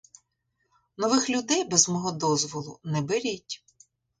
Нових людей без мого дозволу не беріть.